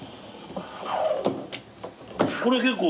これ結構。